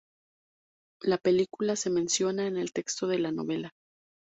La película se menciona en el texto de la novela.